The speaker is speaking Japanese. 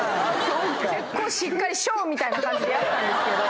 結構しっかりショーみたいな感じでやったんですけど。